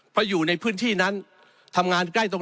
เพราะอยู่ในพื้นที่นั้น